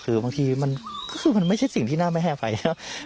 คือบางทีมันก็คือมันไม่ใช่สิ่งที่น่าไม่แห้มไปเนาะ